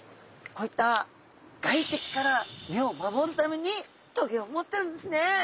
こういった外敵から身を守るために棘を持ってるんですね。